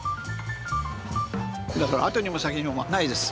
だから後にも先にもないです。